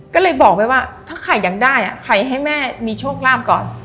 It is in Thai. ก็เลยบอกไปว่าถ้าไข่ยังได้ไข่ให้แม่มีโชคราบก่อน